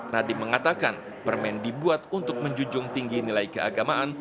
nadiem mengatakan permen dibuat untuk menjunjung tinggi nilai keagamaan